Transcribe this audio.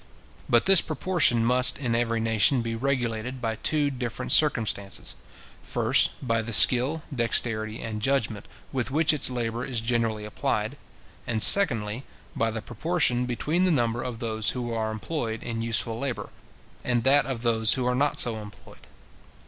But this proportion must in every nation be regulated by two different circumstances: first, by the skill, dexterity, and judgment with which its labour is generally applied; and, secondly, by the proportion between the number of those who are employed in useful labour, and that of those who are not so employed.